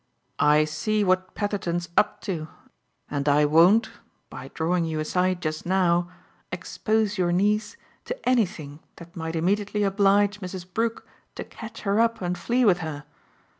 "I see what Petherton's up to, and I won't, by drawing you aside just now, expose your niece to anything that might immediately oblige Mrs. Brook to catch her up and flee with her.